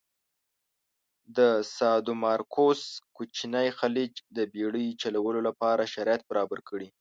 د سادومارکوس کوچینی خلیج د بېړی چلولو لپاره شرایط برابر کړي.